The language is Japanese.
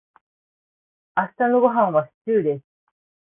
明日のごはんはシチューです。